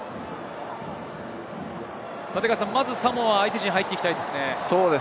まずサモアは相手陣に入っていきたいですね。